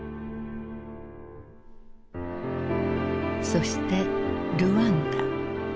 そしてルワンダ。